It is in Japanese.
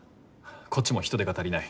こっちも人手が足りない。